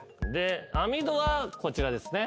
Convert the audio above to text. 網戸はこちらですね。